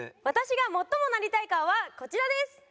私が最もなりたい顔はこちらです。